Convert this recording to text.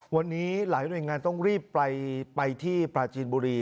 วันนี้หลายหน่วยงานต้องรีบไปที่ปราจีนบุรี